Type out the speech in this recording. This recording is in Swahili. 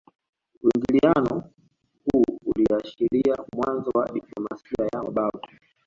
Uingiliano huu uliashiria mwanzo wa diplomasia ya mabavu